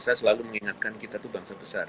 saya selalu mengingatkan kita itu bangsa besar